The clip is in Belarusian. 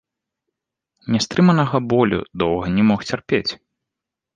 Нястрыманага болю доўга не мог цярпець.